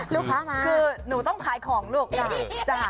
คือหนูต้องขายของลูกอ่ะ